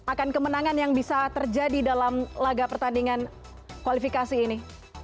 akan kemenangan yang bisa terjadi dalam laga pertandingan kualifikasi ini